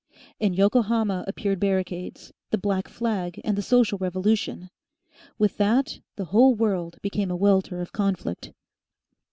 In Yokohama appeared barricades, the black flag and the social revolution. With that the whole world became a welter of conflict.